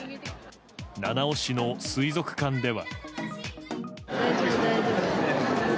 七尾市の水族館では。